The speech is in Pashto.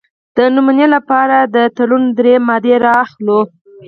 د نمونې لپاره د تړون درې مادې را اخلو.